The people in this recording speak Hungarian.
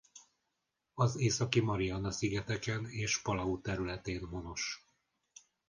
Az Északi-Mariana-szigeteken és Palau területén honos.